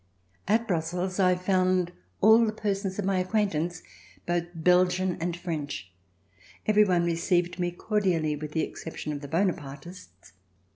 At Brussels I found all the persons of my acquaintance, both Belgian and French. Every one received me cordially, with the exception of the Bonapartists.